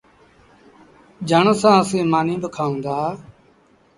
جھڻ سآݩ اسيٚݩ مآݩيٚ با کآئوݩ دآ۔